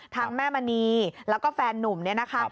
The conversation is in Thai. แม่มณีแล้วก็แฟนนุ่มเนี่ยนะคะ